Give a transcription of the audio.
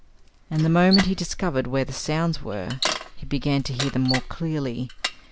And the moment he discovered where the sounds were, he began to hear them more clearly.